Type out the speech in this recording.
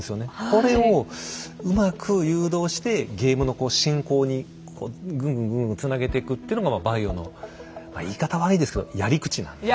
これをうまく誘導してゲームの進行にこうぐんぐんぐんぐんつなげていくっていうのがまあ「バイオ」の言い方悪いですけどやり口なんで。